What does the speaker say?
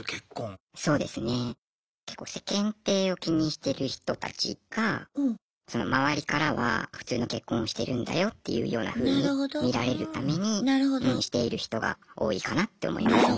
結構世間体を気にしてる人たちが周りからは普通の結婚をしてるんだよっていうようなふうに見られるためにしている人が多いかなって思いますね。